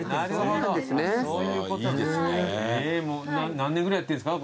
何年ぐらいやってるんですか？